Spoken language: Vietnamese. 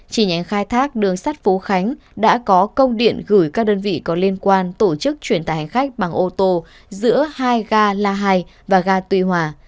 chỉ nhánh khai thác đường sắt phú khánh đã có công điện gửi các đơn vị có liên quan tổ chức chuyển tải hành khách bằng ô tô giữa hai ga la hai và ga tuy hòa